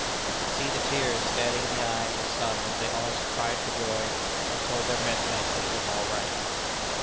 You could see the tears standing in the eyes of some as they almost cried for joy, and told their messmates that it was all right."